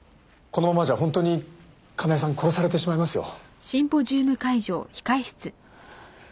このままじゃ本当に叶絵さん殺されてしまいますよ。